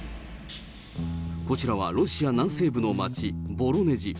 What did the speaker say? こちらは、ロシア南西部の街、ボロネジ。